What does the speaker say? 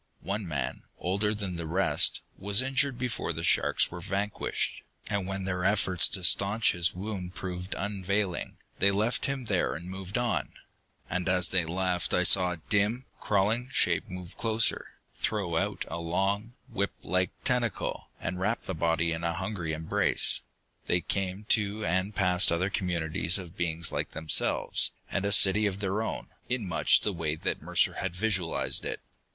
One man, older than the rest, was injured before the sharks were vanquished, and when their efforts to staunch his wounds proved unavailing, they left him there and moved on. And as they left I saw a dim, crawling shape move closer, throw out a long, whiplike tentacle, and wrap the body in a hungry embrace. They came to and passed other communities of beings like themselves, and a city of their own, in much the way that Mercer had visualized it.